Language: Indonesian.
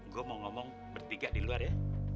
gue mau ngomong bertiga di luar ya